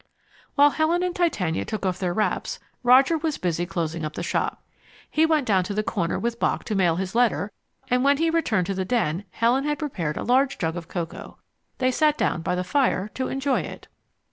While Helen and Titania took off their wraps, Roger was busy closing up the shop. He went down to the corner with Bock to mail his letter, and when he returned to the den Helen had prepared a large jug of cocoa. They sat down by the fire to enjoy it.